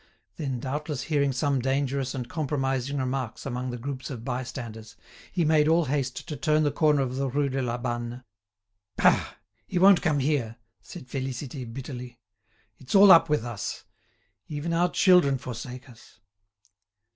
Then doubtless hearing some dangerous and compromising remarks among the groups of bystanders, he made all haste to turn the corner of the Rue de la Banne. "Bah! he won't come here," said Félicité bitterly. "It's all up with us. Even our children forsake us!"